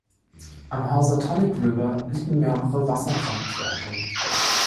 Am Housatonic River liegen mehrere Wasserkraftwerke.